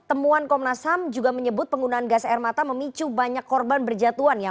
temuan komnas ham juga menyebut penggunaan gas air mata memicu banyak korban berjatuhan ya